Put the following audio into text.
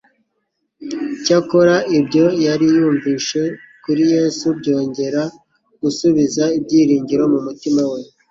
Cyakora ¬ibyo yari yumvise kuri Yesu byongera gusubiza ibyiringiro mu mutima we.